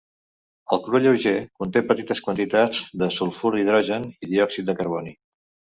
El cru lleuger conté petites quantitats de sulfur d'hidrogen i diòxid de carboni.